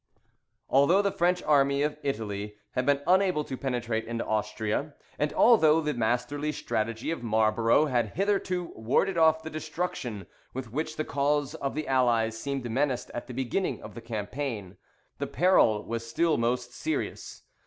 ] Although the French army of Italy had been unable to penetrate into Austria, and although the masterly strategy of Marlborough had hitherto warded off the destruction with which the cause of the Allies seemed menaced at the beginning of the campaign, the peril was still most serious.